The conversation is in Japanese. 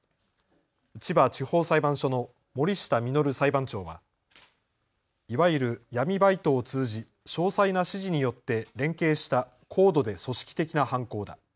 千葉地方裁判所の守下実裁判長はいわゆる闇バイトを通じ詳細な指示によって連携した高度で組織的な犯行だ。